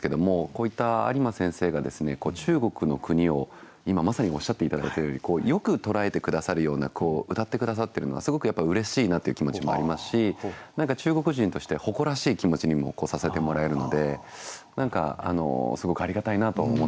こういった有馬先生が中国の国を今まさにおっしゃって頂いたようによく捉えて下さるようなうたって下さってるのがすごくやっぱりうれしいなという気持ちもありますし中国人として誇らしい気持ちにもさせてもらえるので何かすごくありがたいなと思ってうかがっておりました。